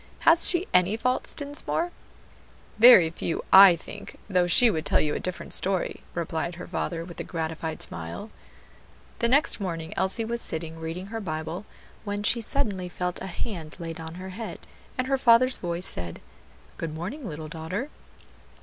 Has she any faults, Dinsmore?" "Very few, I think; though she would tell you a different story," replied her father with a gratified smile. The next morning Elsie was sitting reading her Bible, when she suddenly felt a hand laid on her head, and her father's voice said, "Good morning, little daughter."